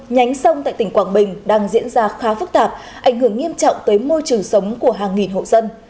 nhánh sông tại tỉnh quảng bình đang diễn ra khá phức tạp ảnh hưởng nghiêm trọng tới môi trường sống của hàng nghìn hộ dân